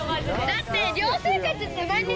だって。